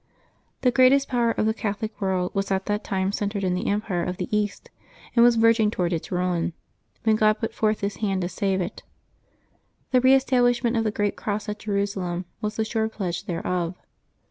The greatest power of the Cath olic world was at that time centred in the Empire of the East, and was verging toward its ruin, when God put forth His hand to save it : the re establishment of the great cross at Jerusalem was the sure pledge thereof.